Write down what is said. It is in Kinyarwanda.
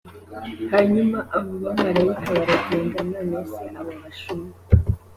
hanyuma abo bamarayika baragenda none se abo bashumba